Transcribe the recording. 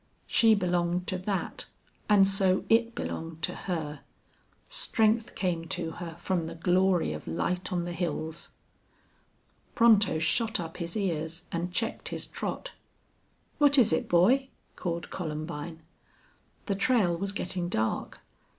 She belonged to that, and so it belonged to her. Strength came to her from the glory of light on the hills. Pronto shot up his ears and checked his trot. "What is it, boy?" called Columbine. The trail was getting dark.